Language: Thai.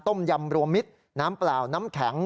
ยำรวมมิตรน้ำเปล่าน้ำแข็ง